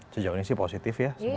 sejauh ini sih positif ya